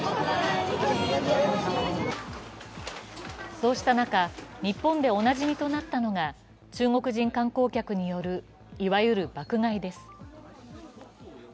そうした中、日本でおなじみとなったのが中国人観光客による、いわゆる爆買いです。